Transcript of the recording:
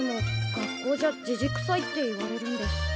学校じゃじじくさいって言われるんです。